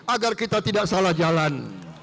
agar kita tidak salah jalan